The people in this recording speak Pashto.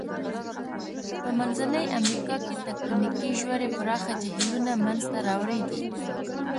په منځنۍ امریکا کې تکتونیکي ژورې پراخه جهیلونه منځته راوړي دي.